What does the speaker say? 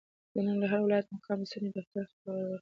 د ننګرهار ولايت مقام رسنیو دفتر خبر ورکړ،